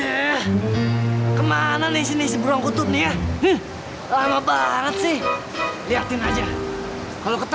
enak aja kenapa harus gue indri aja sana